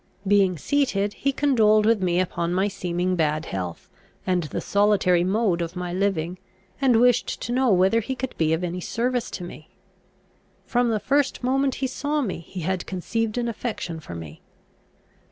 Being seated, he condoled with me upon my seeming bad health, and the solitary mode of my living, and wished to know whether he could be of any service to me. "From the first moment he saw me, he had conceived an affection for me."